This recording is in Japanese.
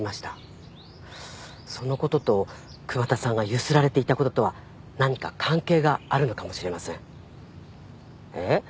そのことと桑田さんがゆすられていたこととは何か関係があるのかもしれませんえっ？